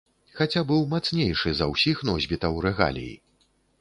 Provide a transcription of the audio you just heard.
Хаця быў мацнейшы за ўсіх носьбітаў рэгалій.